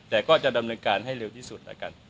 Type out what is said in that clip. แต่ก็ดำเนินการให้เร็วที่สุด